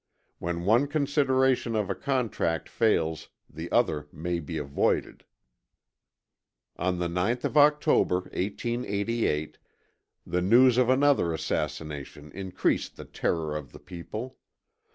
When one consideration of a contract fails, the other may be avoided. On the 9th of October, 1888, the news of another assassination increased the terror of the people.